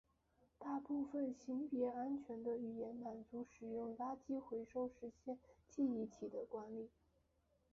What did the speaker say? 大部分型别安全的语言满足使用垃圾回收实现记忆体的管理。